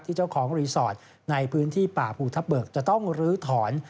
เจ้าของรีสอร์ทในพื้นที่ป่าภูทับเบิกจะต้องลื้อถอน